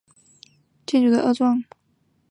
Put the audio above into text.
原上殿地基上已建民房二幢。